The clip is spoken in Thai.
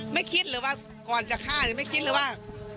ไม่คิดหรือว่าก่อนจะฆ่าไม่คิดหรือว่า